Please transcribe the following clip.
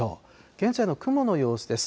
現在の雲の様子です。